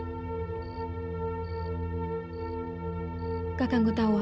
saya akan mencari suami saya